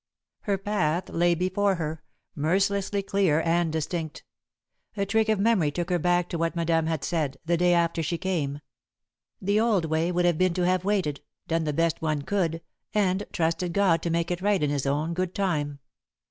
Her path lay before her, mercilessly clear and distinct. A trick of memory took her back to what Madame had said, the day after she came: "The old way would have been to have waited, done the best one could, and trusted God to make it right in His good time."